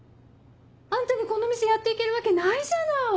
あんたにこの店やって行けるわけないじゃない！